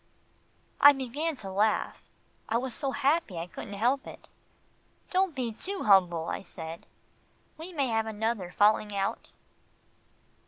I began to laugh. I was so happy I couldn't help it. "Don't be too humble," I said, "we may have another falling out."